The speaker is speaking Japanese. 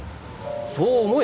そう思えよ。